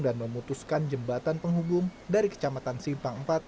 dan memutuskan jembatan penghubung dari kecamatan simpang iv